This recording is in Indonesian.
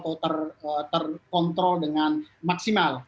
atau terkontrol dengan maksimal